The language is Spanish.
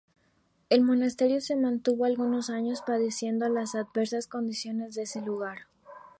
El monasterio se mantuvo algunos años padeciendo las adversas condiciones de ese lugar.